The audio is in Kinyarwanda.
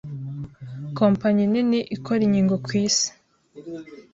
kompanyi nini ikora inkingo ku isi,